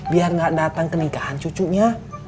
biar nggak datang ke nikahan cucunya